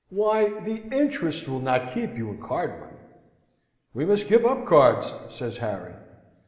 "Why, the interest will not keep you in card money." "We must give up cards," says Harry.